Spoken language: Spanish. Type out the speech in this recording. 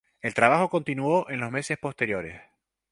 El trabajo continuó en los meses posteriores.